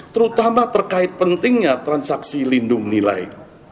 terutama terkait pentingnya transaksi lindung nilai